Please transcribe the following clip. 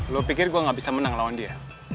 lo pikir gue gak bisa menang lawan dia